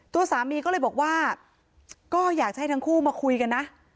ตัวสามีก็เลยบอกว่าก็อยากจะให้ทั้งคู่มาคุยกันนะ